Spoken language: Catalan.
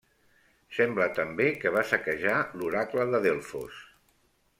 Sembla també que va saquejar l'Oracle de Delfos.